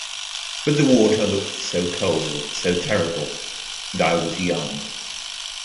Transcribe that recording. But the water looked so cold, so terrible, and I was young.